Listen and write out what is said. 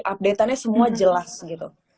update nya semua jelas gitu